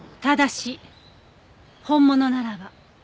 ただし本物ならば。